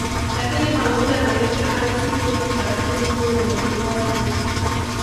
Lakini pamoja na yote hayo siku hizi utaratibu huu umepungua sana